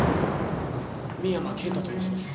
深山健太と申します。